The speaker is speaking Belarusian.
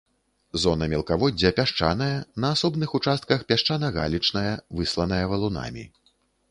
Зона мелкаводдзя пясчаная, на асобных участках пясчана-галечная, высланая валунамі.